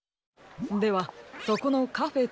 ではそこのカフェ